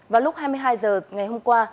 vào lúc hai mươi hai h ngày hôm qua